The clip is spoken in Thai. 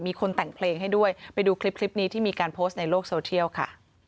มีคนแต่งเพลงให้ด้วยไปดูคลิปคลิปนี้ที่มีการโพสต์ในโลกโซเทียลค่ะ